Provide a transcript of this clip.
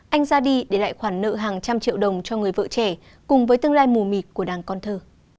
anh ra đi để lại khoản nợ hàng trăm triệu đồng cho người vợ trẻ cùng với tương lai mù mịt của đảng con thơ